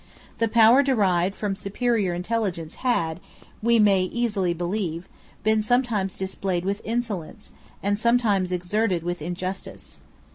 The power derived from superior intelligence had, we may easily believe, been sometimes displayed with insolence, and sometimes exerted with injustice.